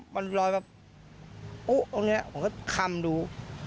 มันลอยแบบอุ๊ตรงนี้ผมก็คำดู